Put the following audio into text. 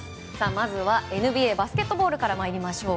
まずはＮＢＡバスケットボールから参りましょう。